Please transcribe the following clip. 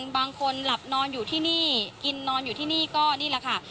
บางคนหลับนอนอยู่ที่นี่กินนอนอยู่ที่นี่ก็นี่แหละค่ะ